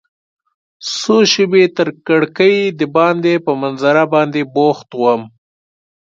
څو شیبې تر کړکۍ دباندې په منظره باندې بوخت وم.